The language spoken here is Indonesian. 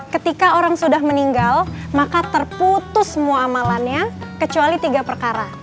ketika orang sudah meninggal maka terputus semua amalannya kecuali tiga perkara